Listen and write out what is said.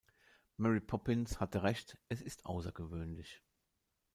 Mary Poppins hatte recht, es ist außergewöhnlich.